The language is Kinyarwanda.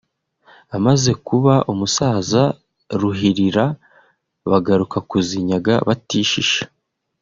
Amaze kuba umusaza ruhirira bagaruka kuzinyaga batishisha